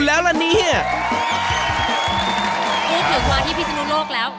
กูถือมาที่พิสยุโลกแล้ว